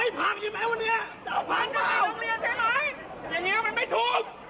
อย่างเนี้ยมันไม่ถูก